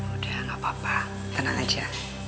udah gapapa tenang aja